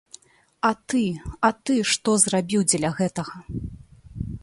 А ты, а ты што зрабіў дзеля гэтага?